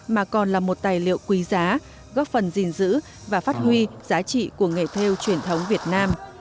mà còn là một tài liệu quý giá góp phần gìn giữ và phát huy giá trị của nghề theo truyền thống việt nam